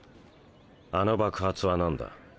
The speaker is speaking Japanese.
あの爆発は何だ？